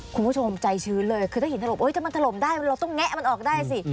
คุณผู้ชมใจชื้นเลยคือถ้าหินถล่มถ้ามันถล่มได้เราต้องแงะมันออกได้สิ